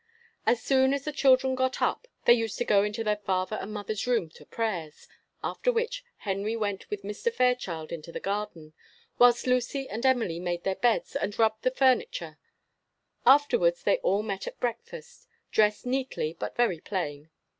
As soon as the children got up, they used to go into their father and mother's room to prayers; after which Henry went with Mr. Fairchild into the garden, whilst Lucy and Emily made their beds and rubbed the furniture; afterwards they all met at breakfast, dressed neatly but very plain.